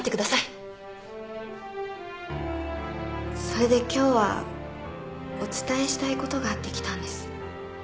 それで今日はお伝えしたいことがあって来たんです。